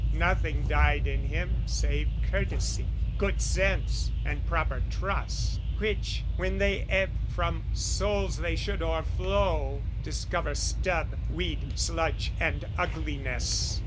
Nothing died in him Save courtesy, good sense and proper trust, Which, when they ebb from souls they should o'erflow, Discover stub, weed, sludge and ugliness.